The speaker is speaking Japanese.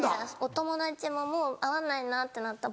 お友達ももう会わないなってなったらばっさり。